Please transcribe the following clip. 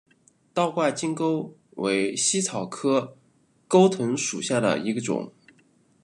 倒挂金钩为茜草科钩藤属下的一个种。